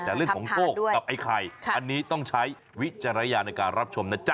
แต่เรื่องของโชคกับไอ้ไข่อันนี้ต้องใช้วิจารณญาณในการรับชมนะจ๊